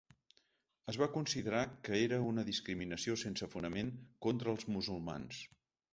Es va considerar que era una discriminació sense fonament contra els musulmans.